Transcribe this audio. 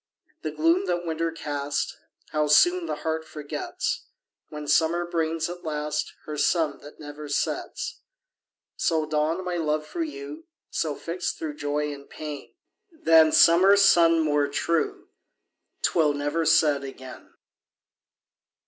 The gloom that winter cast, How soon the heart forgets, When summer brings, at last, Her sun that never sets! So dawned my love for you; So, fixt thro' joy and pain, Than summer sun more true, 'Twill never set again.